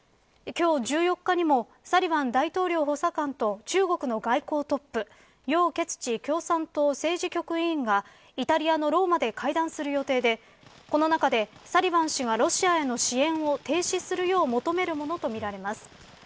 今日、１４日にもサリバン大統領補佐官と中国の外交トップ、楊潔チ共産党政治局員がイタリアのローマで会談する予定でこの中でサリバン氏がロシアへの支援を停止するよう求めるものとみられます。